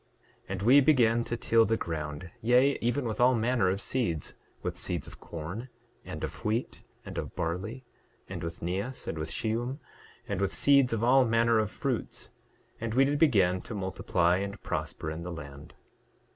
9:9 And we began to till the ground, yea, even with all manner of seeds, with seeds of corn, and of wheat, and of barley, and with neas, and with sheum, and with seeds of all manner of fruits; and we did begin to multiply and prosper in the land.